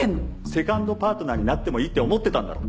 セカンドパートナーになってもいいって思ってたんだろ。